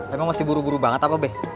emang masih buru buru banget apa be